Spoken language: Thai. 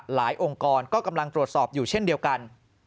องค์กรก็กำลังตรวจสอบอยู่เช่นเดียวกัน